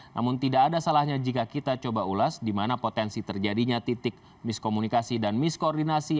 namun tidak ada salahnya jika kita coba ulas di mana potensi terjadinya titik miskomunikasi dan miskoordinasi